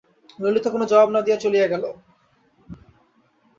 ললিতা কোনো জবাব না দিয়া চলিয়া গেল।